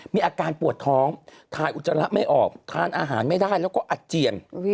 มีอาการปวดท้องถ่ายอุจจาระไม่ออกทานอาหารไม่ได้แล้วก็อาเจียน